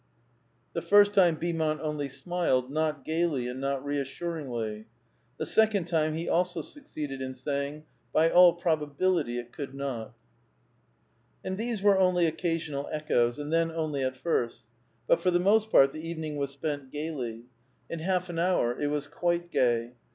The first time Beaomont only smiled, not gayly and not reassuringly ; the second time he also succeeded in saying, By all probability, it coald not." And these were only occasional echoes, and then only at first. But for the most part the evening was spent gayly ; in half an hour it was quite gay.